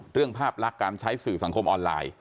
ภาพลักษณ์การใช้สื่อสังคมออนไลน์